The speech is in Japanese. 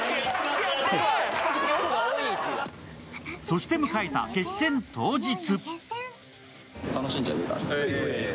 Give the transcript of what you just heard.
そして迎えた決戦当日。